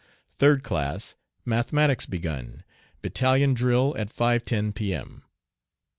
Third class, mathematics begun. Battalion drill at 5.10 P.M.